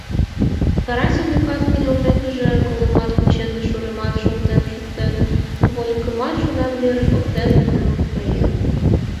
Карасим, векат, кынелмекыже, колымат кучен да шӱрымат шолтен шуктен, вольыкымат шудан верыш поктен наҥгаен.